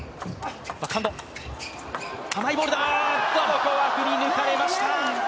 ここは振り抜かれました。